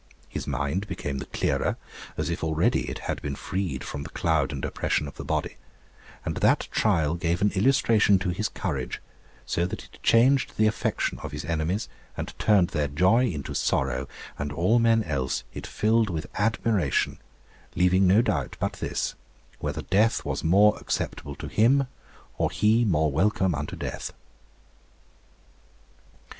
His mind became the clearer, as if already it had been freed from the cloud and oppression of the body, and that trial gave an illustration to his courage, so that it changed the affection of his enemies, and turned their joy into sorrow, and all men else it filled with admiration, leaving no doubt but this, whether death was more acceptable to him, or he more welcome unto death.